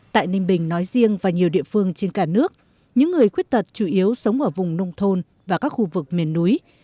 tại ninh bình nói riêng và nhiều địa phương trên cả nước những người khuyết tật chủ yếu sống ở vùng nông thôn và các khu vực miền núi